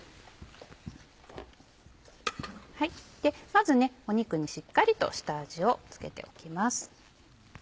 まず肉にしっかりと下味を付けておきます。